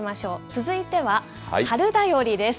続いては、春だよりです。